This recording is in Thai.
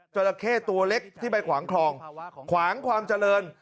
จราเข้ตัวเล็กที่ไปขวางคลองขวางความเจริญ